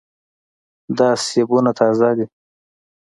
دا سیبونه تازه دي.